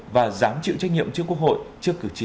và dám chịu trách nhiệm trước quốc hội trước cử tri